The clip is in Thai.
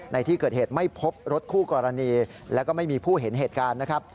ในที่เกิดเหตุไม่พบรถคู่กรณีแล้วก็ไม่มีผู้เห็นเหตุการณ์นะครับ